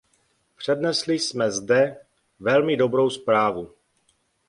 Přednesli jsme zde velmi dobrou zprávu.